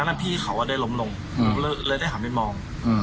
จากนั้นพี่เขาก็ได้ล้มรวมเลยถามไปมอง